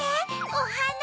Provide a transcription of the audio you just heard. おはな！